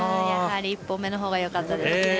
やはり１本目のほうがよかったですね。